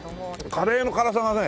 カレーの辛さがね